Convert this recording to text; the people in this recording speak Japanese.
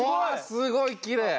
すごいきれい！